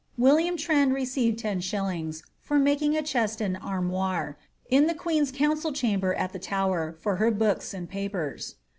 William Trendy received lOs, for making a chest and armoire, in the queen's council chamber at the Tower, for her books and papers.